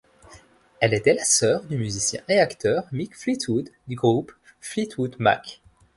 Elle était la sœur du musicien et acteur Mick Fleetwood du groupe Fleetwood Mac.